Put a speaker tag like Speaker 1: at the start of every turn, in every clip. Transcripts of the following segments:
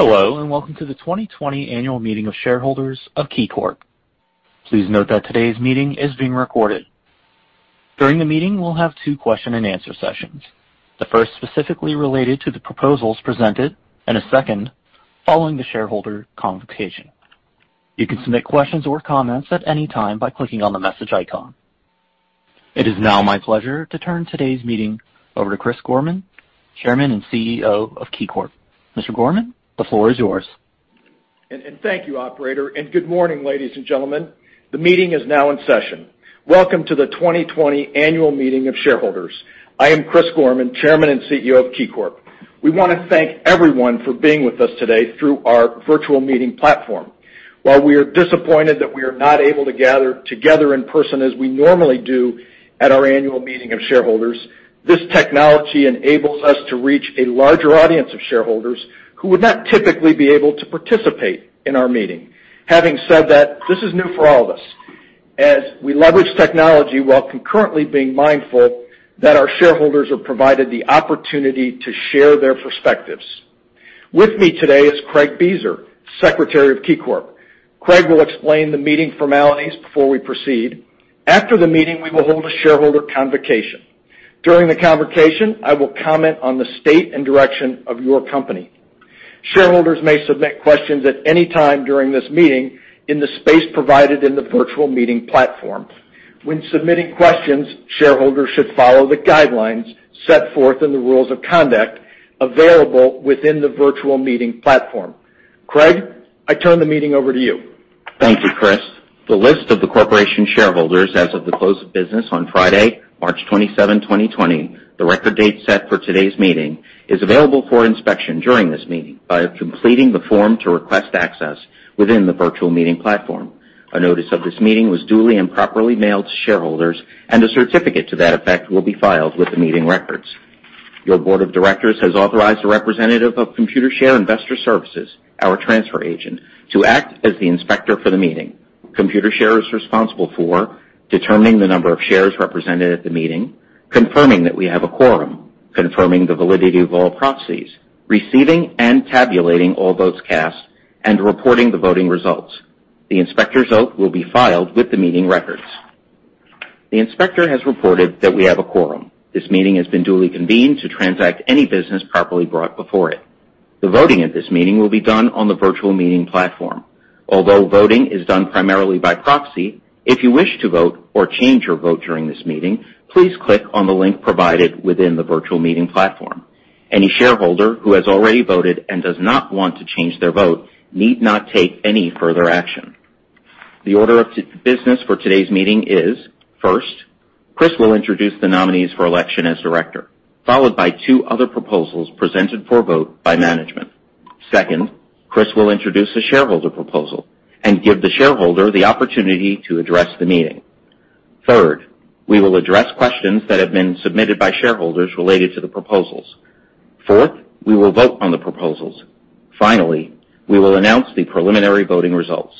Speaker 1: Hello and welcome to the 2020 Annual Meeting of Shareholders of KeyCorp. Please note that today's meeting is being recorded. During the meeting, we'll have two question and answer sessions. The first specifically related to the proposals presented and a second following the shareholder convocation. You can submit questions or comments at any time by clicking on the message icon. It is now my pleasure to turn today's meeting over to Chris Gorman, Chairman and CEO of KeyCorp. Mr. Gorman, the floor is yours
Speaker 2: and thank you, operator. And good morning, ladies and gentlemen. The meeting is now in session. Welcome to the 2020 Annual Meeting of Shareholders. I am Chris Gorman, Chairman and CEO of KeyCorp. We want to thank everyone for being with us today through our virtual meeting platform. While we are disappointed that we are not able to gather together in person as we normally do in at our annual meeting of shareholders, this technology enables us to reach a larger audience of shareholders who would not typically be able to participate in our meeting. Having said that, this is new for all of us as we leverage technology while concurrently being mindful that our shareholders are provided the opportunity to share their perspectives. With me today is Craig Beazer, Secretary of KeyCorp. Craig will explain the meeting formalities before we proceed. After the meeting, we will hold a shareholder convocation. During the convocation, I will comment on the state and direction of your company. Shareholders may submit questions at any time during this meeting in the space provided in the virtual meeting platform. When submitting questions, shareholders should follow the guidelines set forth in the rules of conduct available within the virtual meeting platform. Craig, I turn the meeting over to you.
Speaker 3: Thank you, Chris. The list of the corporation's shareholders as of the close of business on Friday, March 27, 2020. The record date set for today's meeting is available for inspection during this meeting. By completing the form to request access within the virtual meeting platform, a notice of this meeting was duly and properly mailed to shareholders and a certificate to that effect will be filed with the meeting records. Your Board of Directors has authorized a representative of Computershare Investor Services, our transfer agent, to act as the inspector for the meeting. Computershare is responsible for determining the number of shares represented at the meeting, confirming that we have a quorum, confirming the validity of all proxies, receiving and tabulating all votes cast, and reporting the voting results. The inspector's vote will be filed with the meeting records. The inspector has reported that we have a quorum. This meeting has been duly convened to transact any business properly brought before it. The voting at this meeting will be done on the virtual meeting platform, although voting is done primarily by proxy. If you wish to vote or change your vote during this meeting, please click on the link provided within the virtual meeting platform. Any shareholder who has already voted and does not want to change their vote need not take any further action. The order of business for today's meeting is first, Chris will introduce the nominees for election as Director, followed by two other proposals presented for vote by management. Second, Chris will introduce a shareholder proposal and give the shareholder the opportunity to address the meeting. Third, we will address questions that have been submitted by shareholders related to the proposals. Fourth, we will vote on the proposals. Finally, we will announce the preliminary voting results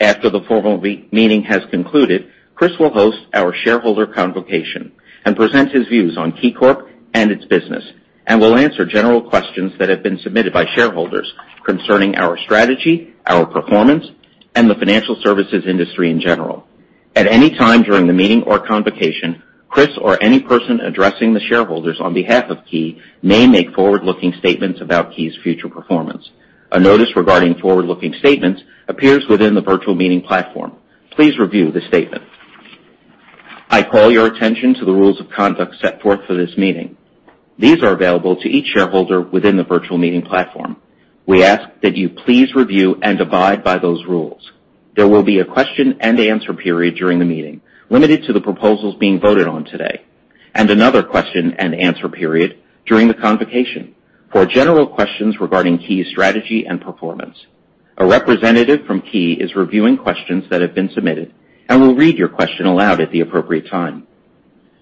Speaker 3: after the formal meeting has concluded. Next, Chris will host our shareholder conversation and present his views on KeyCorp and its business and will answer general questions that have been submitted by shareholders concerning our strategy, our performance and the financial services industry in general. At any time during the meeting or conversation, Chris or any person addressing the shareholders on behalf of KEY may make forward-looking statements about KEY's future performance. A notice regarding forward-looking statements appears within the virtual meeting platform. Please review the statement. I call your attention to the rules of conduct set forth for this meeting. These are available to each shareholder within the virtual meeting platform. We ask that you please review and abide by those rules. There will be a question and answer period during the meeting limited to the proposals being voted on today, and another question and answer period during the convocation for general questions regarding KEY strategy and performance. A representative from KEY is reviewing questions that have been submitted and will read your question aloud at the appropriate time.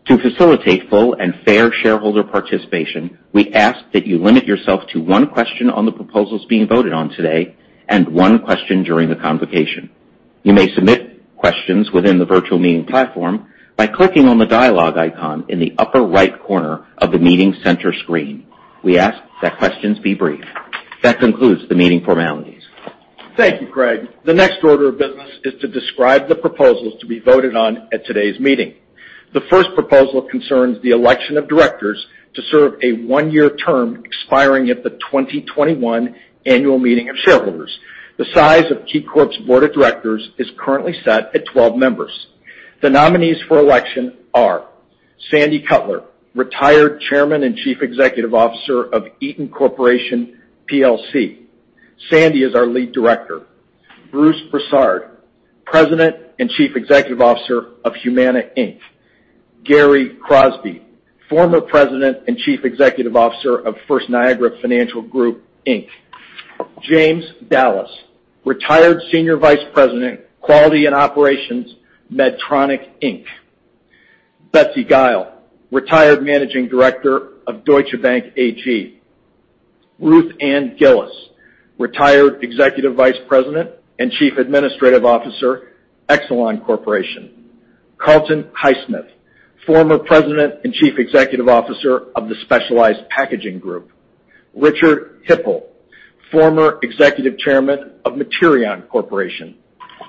Speaker 3: To facilitate full and fair shareholder participation, we ask that you limit yourself to one question on the proposals being voted on today and one question during the convocation. You may submit questions within the virtual meeting platform by clicking on the dialogue icon in the upper right corner of the meeting center screen. We ask that questions be brief. That concludes the meeting formalities.
Speaker 2: Thank you, Craig. The next order of business is to describe the proposals to be voted on at today's meeting. The first proposal concerns the election of Directors to serve a one-year term expiring at the 2021 annual meeting of shareholders. The size of KeyCorp's Board of Directors is currently set at 12 members. The nominees for election are Sandy Cutler, retired Chairman and Chief Executive Officer of Eaton Corporation plc. Sandy is our Lead Director. Bruce Broussard, President and Chief Executive Officer of Humana Inc. Gary Crosby, former President and Chief Executive Officer of First Niagara Financial Group Inc. James Dallas, retired Senior Vice President, Quality and Operations, Medtronic Inc. Betsy Gile, retired Managing Director of Deutsche Bank AG. Ruth Ann Gillis, retired Executive Vice President and Chief Administrative Officer, Exelon Corporation. Carlton Highsmith, former President and Chief Executive Officer of the Specialized Packaging Group. Richard Hipple, former Executive Chairman of Materion Corporation.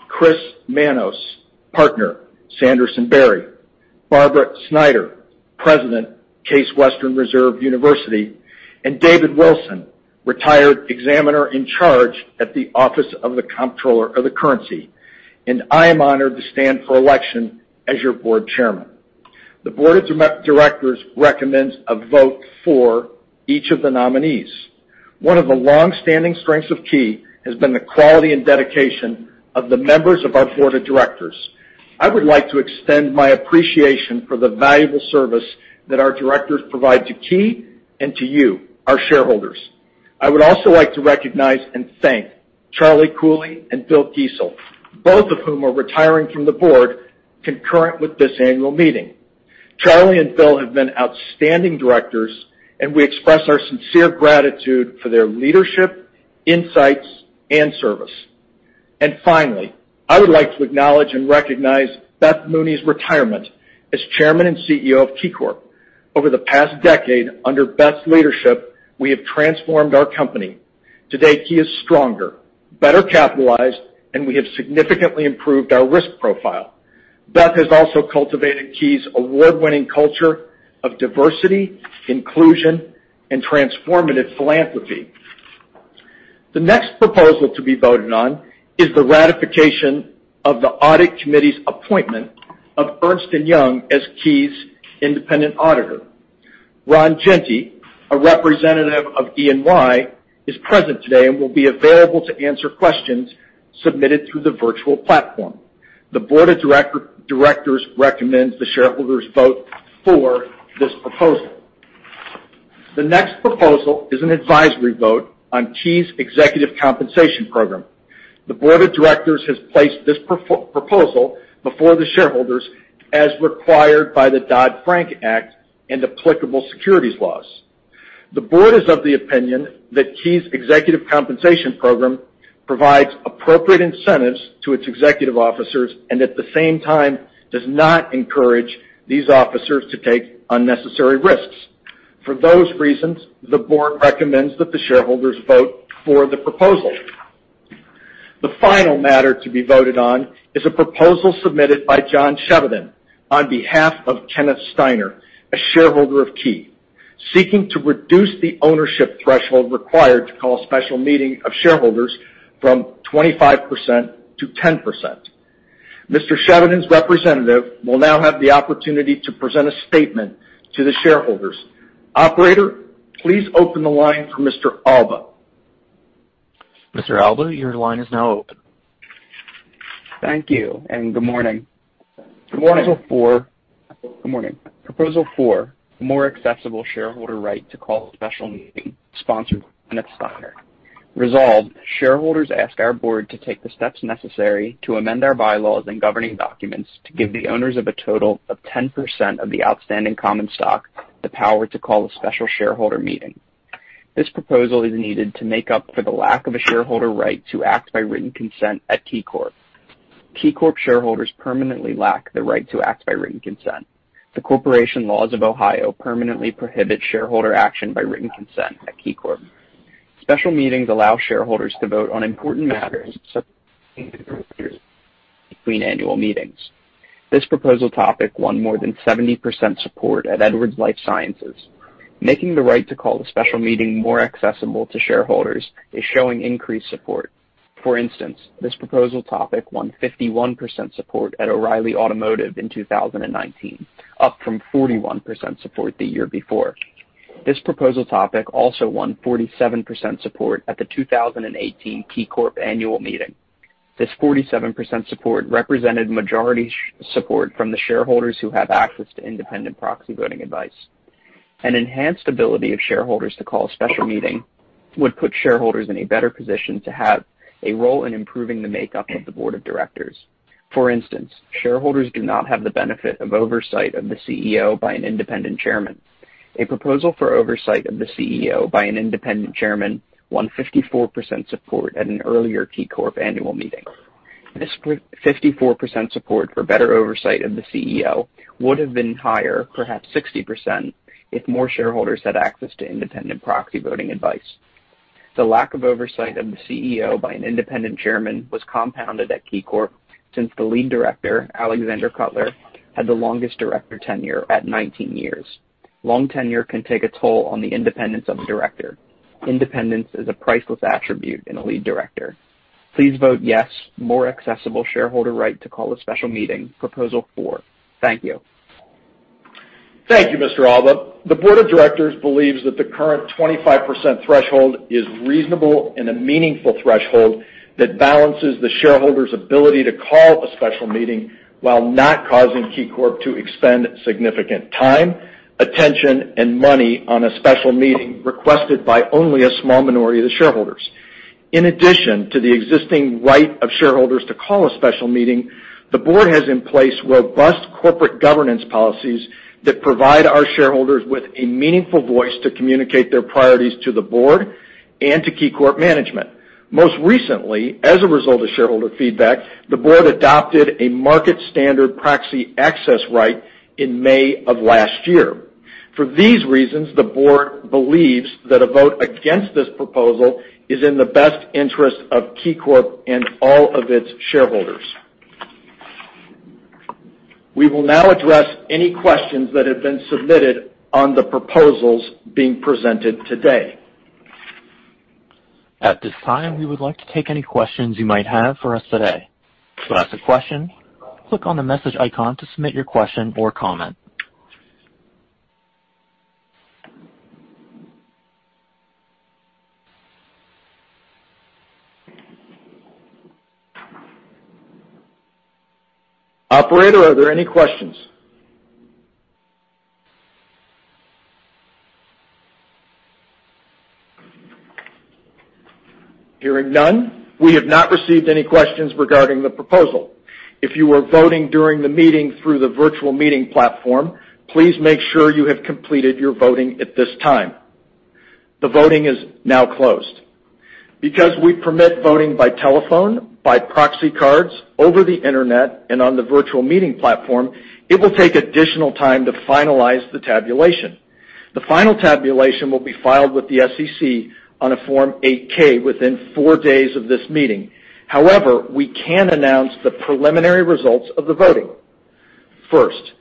Speaker 2: Kris Manos, partner, Sanderson Berry. Barbara Snyder, President, Case Western Reserve University, and David Wilson, retired Examiner-In-Charge at the Office of the Comptroller of the Currency. I am honored to stand for election as your Board Chairman. The Board of Directors recommends a vote for each of the nominees. One of the long-standing strengths of KEY has been the quality and dedication of the members of our Board of Directors. I would like to extend my appreciation for the valuable service that our Directors provide to KEY and to you, our shareholders. I would also like to recognize and thank Charlie Cooley and Bill Gisel, both of whom are retiring from the Board concurrent with this annual meeting. Charlie and Bill have been outstanding directors and we express our sincere gratitude for their leadership, insights and service. And finally, I would like to acknowledge and recognize Beth Mooney's retirement as Chairman and CEO of KeyCorp. Over the past decade, under Beth's leadership, we have transformed our company. Today KEY is stronger, better capitalized, and we have significantly improved our risk profile. Beth has also cultivated KEY's award-winning culture of diversity, inclusion, and transformative philanthropy. The next proposal to be voted on is the ratification of the Audit Committee's appointment of Ernst & Young as KEY's independent auditor. Ron Genty, a representative of EY, is present today and will be available to answer questions and submitted through the virtual platform. The Board of Directors recommends the shareholders vote for this proposal. The next proposal is an advisory vote on KEY's Executive Compensation program. The Board of Directors has placed this proposal before the shareholders as required by the Dodd-Frank Act and applicable securities laws. The Board is of the opinion that KEY's Executive ompensation program provides appropriate incentives to its executive officers and at the same time does not encourage these officers to take unnecessary risks. For those reasons, the Board recommends that the shareholders vote for the proposal. The final matter to be voted on is a proposal submitted by John Chevedden on behalf of Kenneth Steiner, a shareholder of KEY, seeking to reduce the ownership threshold required to call special meeting of shareholders from 25%-10%. Mr. Chevedden's representative will now have the opportunity to present a statement to the shareholders. Operator, please open the line for Mr. Alba.
Speaker 1: Mr. Alba, your line is now open. Thank you and good morning. Good morning. Proposal four more accessible shareholder right to call special meeting sponsored Kenneth Steiner. Resolved. Shareholders ask our Board to take the steps necessary to amend our bylaws and governing documents to give the owners of a total of 10% of the outstanding common stock the power to call a special shareholder meeting. This proposal is needed to make up for the lack of a shareholder right to act by written consent at KeyCorp. KeyCorp shareholders permanently lack the right to act by written consent. The Corporation Laws of Ohio permanently prohibit shareholder action by written consent at KeyCorp. Special meetings allow shareholders to vote on important matters. Between annual meetings. This proposal topic won more than 70% support at Edwards Lifesciences. Making the right to call the special meeting more accessible to shareholders is showing increased support. For instance, this proposal topic won 51% support at O'Reilly Automotive in 2019, up from 41% support the year before. This proposal topic also won 47% support at the 2018 KeyCorp Annual Meeting. This 47% support represented majority support from the shareholders who have access to independent proxy voting advice. An enhanced ability of shareholders to call a special meeting would put shareholders in a better position to have a role in improving the makeup of the Board of Directors. For instance, shareholders do not have the benefit of oversight of the CEO by an Independent Chairman. A proposal for oversight of the CEO by an Independent Chairman won 54% support at an earlier KeyCorp annual meeting. This 54% support for better oversight of the CEO would have been higher, perhaps 60%, if more shareholders had access to independent proxy voting advice. The lack of oversight of the CEO by an Independent Chairman was compounded at KeyCorp since the Lead Director, Alexander Cutler, had the longest director tenure at 19 years. Long tenure can take a toll on the independence of a Director. Independence is a priceless attribute in a Lead Director. Please vote yes. More accessible shareholder right to call a special meeting. Proposal four. Thank you.
Speaker 2: Thank you, Mr. Alba. The Board of Directors believes that the current 25% threshold is reasonable and a meaningful threshold that balances the shareholders' ability to call a special meeting while not causing KeyCorp to expend significant time, attention and money on a special meeting requested by only a small minority of the shareholders. In addition to the existing right of shareholders to call a special meeting, the Board has in place robust corporate governance policies that provide our shareholders with a meaningful voice to communicate their priorities to the Board and to KeyCorp management. Most recently, as a result of shareholder feedback, the Board adopted a market standard proxy access right in May of last year. For these reasons, the Board believes that a vote against this proposal is in the best interest of KeyCorp and all of its shareholders. We will now address any questions that have been submitted on the proposals being presented today.
Speaker 1: At this time, we would like to take any questions you might have for us today. To ask a question, click on the message icon to submit your question or comment.
Speaker 2: Operator, Are there any questions? Hearing none. We have not received any questions regarding the proposal. If you are voting during the meeting through the virtual meeting platform, please make sure you have completed your voting at this time. The voting is now closed. Because we permit voting by telephone, proxy cards, over the internet and on the virtual meeting platform, it will take additional time to finalize the tabulation. The final tabulation will be filed with the SEC on a Form 8-K within four days of this meeting. However, we can announce the preliminary results of the voting. First,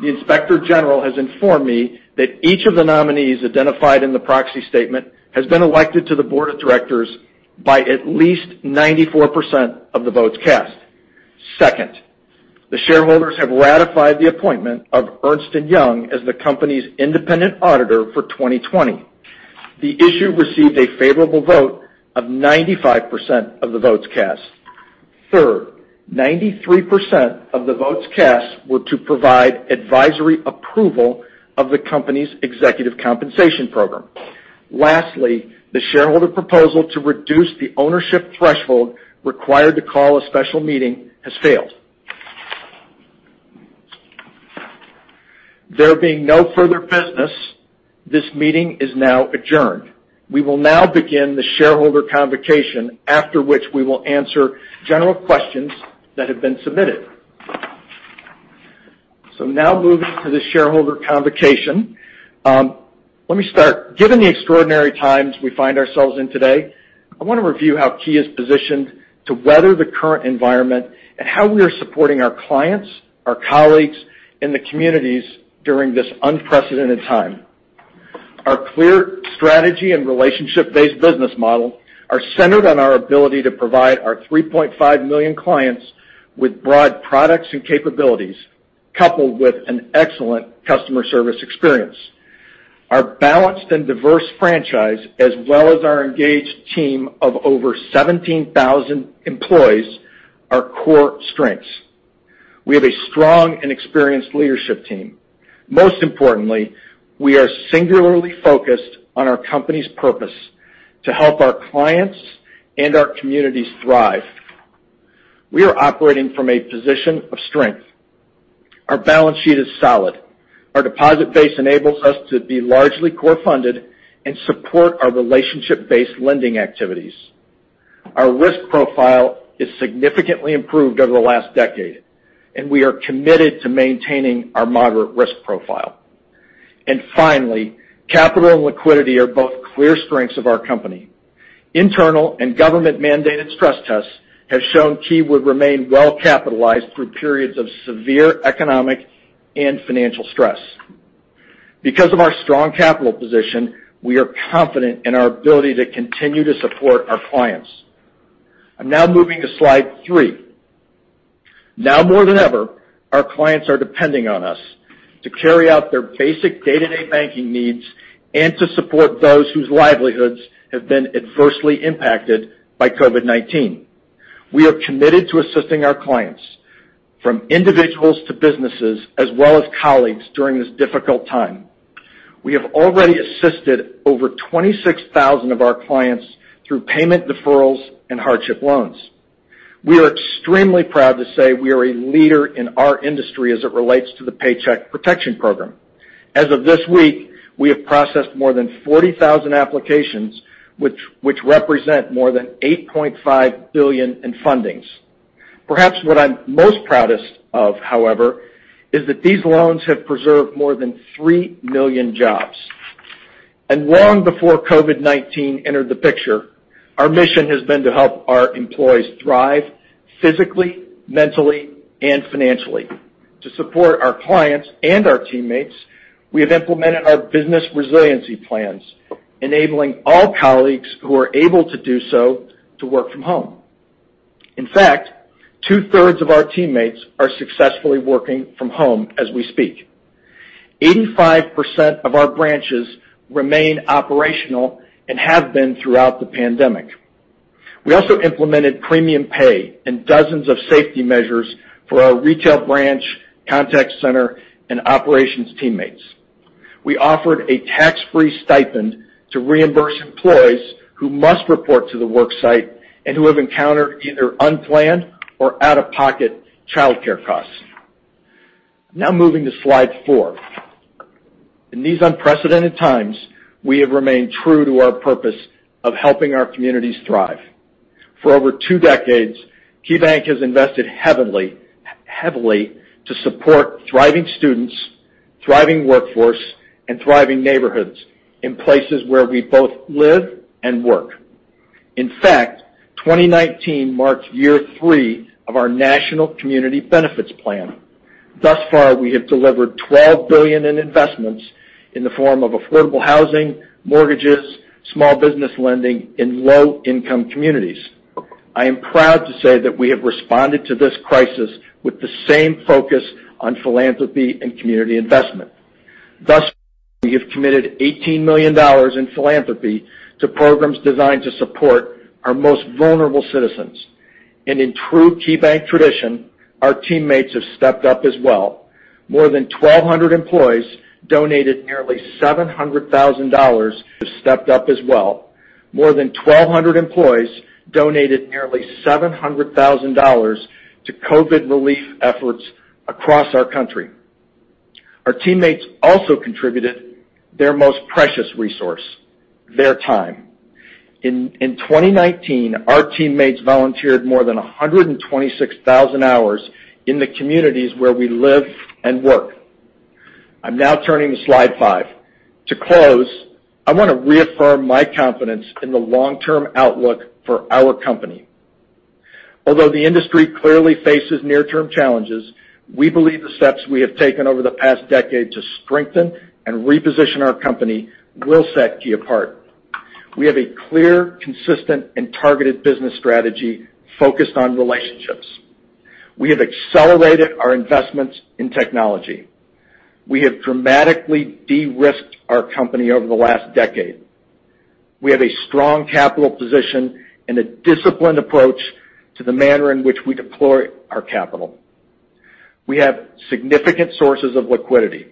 Speaker 2: the Inspector General has informed me that each of the nominees identified in the proxy statement has been elected to the Board of Directors by at least 94% of the votes cast. Second, the shareholders have ratified the appointment of Ernst & Young as the company's independent auditor for 2020. The issue received a favorable vote of 95% of the votes cast. Third, 93% of the votes cast were to provide advisory approval of the Company's Executive Compensation program. Lastly, the shareholder proposal to reduce the ownership threshold required to call a special meeting has failed. There being no further business, this meeting is now adjourned. We will now begin the shareholder convocation after which we will answer general questions that have been submitted. So now moving to the Shareholder Convocation, let me start. Given the extraordinary times we find ourselves in today, I want to review how KEY is positioned to weather the current environment and how we are supporting our clients, our colleagues and the communities during this unprecedented time. Our clear strategy and relationship based business model are centered on our ability to provide our 3.5 million clients with broad products and capabilities coupled with an excellent customer service experience. Our balanced and diverse franchise as well as our engaged team of over 17,000 employees are core strengths. We have a strong and experienced leadership team. Most importantly, we are singularly focused on our company's purpose to help our clients and our communities thrive. We are operating from a position of strength. Our balance sheet is solid. Our deposit base enables us to be largely core-funded and support our relationship-based lending activities. Our risk profile is significantly improved over the last decade and we are committed to maintaining our moderate risk profile. And finally, capital and liquidity are both clear strengths of our company. Internal and government-mandated stress tests have shown KEY would remain well capitalized through periods of severe economic and financial stress. Because of our strong capital position, we are confident in our ability to continue to support our clients. I'm now moving to slide three. Now more than ever, our clients are depending on us to carry out their basic day-to-day banking needs and to support those whose livelihoods have been adversely impacted by COVID-19. We are committed to assisting our clients from individuals to businesses as well as colleagues during this difficult time. We have already assisted over 26,000 of our clients through payment deferrals and hardship loans. We are extremely proud to say we are a leader in our industry as it relates to the Paycheck Protection Program. As of this week, we have processed more than 40,000 applications which represent more than $8.5 billion in fundings. Perhaps what I'm most proudest of, however, is that these loans have preserved more than 3 million jobs and long before COVID-19 entered the picture. Our mission has been to help our employees thrive physically, mentally and financially. To support our clients and our teammates, we have implemented our business resiliency plans enabling all colleagues who are able to do so to work from home. In fact, 2/3 of our teammates are successfully working from home as we speak. 85% of our branches remain operational and have been throughout the pandemic. We also implemented premium pay and dozens of safety measures for our retail, branch, contact center, and operations teammates. We offered a tax-free stipend to reimburse employees who must report to the work site and who have encountered either unplanned or out-of-pocket child care costs. Now, moving to slide four. In these unprecedented times, we have remained true to our purpose of helping our communities thrive. For over two decades, KeyBank has invested heavily to support thriving students, thriving workforce, and thriving neighborhoods in places where we both live and work. In fact, 2019 marks year three of our national Community Benefits Plan. Thus far, we have delivered $12 billion in investments and in the form of affordable housing, mortgages, small business lending in low-income communities. I am proud to say that we have responded to this crisis with the same focus on philanthropy and community investment. Thus far, we have committed $18 million in philanthropy to programs designed to support our most vulnerable citizens, and in true KeyBank tradition, our teammates have stepped up as well. More than 1,200 employees donated nearly $700,000 to COVID relief efforts across our country. Our teammates also contributed their most precious resource, their time. In 2019, our teammates volunteered more than 126,000 hours in the communities where we live and work. I'm now turning to slide five to close. I want to reaffirm my confidence in the long term outlook for our company. Although the industry clearly faces near-term challenges, we believe the steps we have taken over the past decade to strengthen and reposition our company will set KEY apart. We have a clear, consistent and targeted business strategy that focused on relationships. We have accelerated our investments in technology. We have dramatically de-risked our company over the last decade. We have a strong capital position and a disciplined approach to the manner in which we deploy our capital. We have significant sources of liquidity,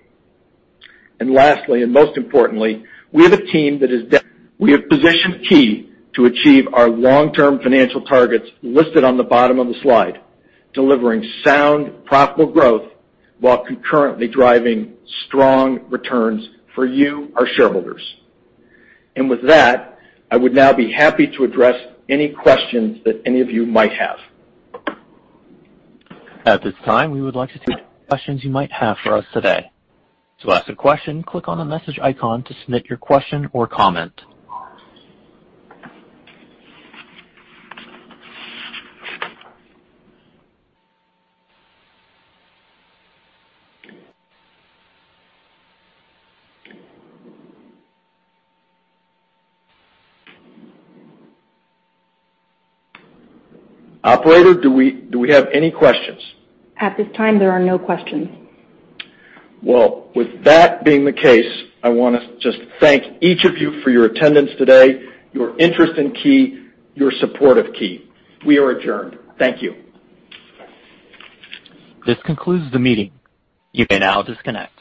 Speaker 2: and lastly, and most importantly, we have a team that we have positioned KEY to achieve our long-term financial targets listed on the bottom of the slide, delivering sound, profitable growth while concurrently driving strong returns for you, our shareholders, and with that, I would now be happy to address any questions that any of you might have.
Speaker 1: At this time, we would like to take any questions you might have for us today. To ask a question, click on the message icon to submit your question or comment.
Speaker 2: Do we have any questions
Speaker 1: at this time, There are no questions.
Speaker 2: Well, with that being the case, I want to just thank each of you for your attendance today, your interest in KEY, your support of KEY. We are adjourned. Thank you.
Speaker 1: This concludes the meeting. You may now disconnect.